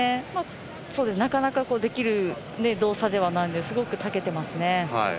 なかなかできる動作ではないのですごく、たけていますね。